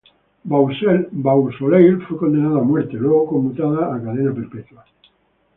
Beausoleil fue condenado a muerte, luego conmutada a cadena perpetua.